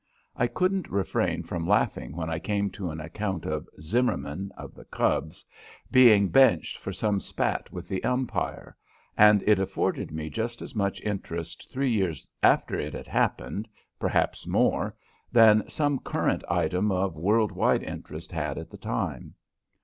I couldn't refrain from laughing when I came to an account of Zimmerman (of the Cubs) being benched for some spat with the umpire, and it afforded me just as much interest three years after it had happened perhaps more than some current item of worldwide interest had at the time.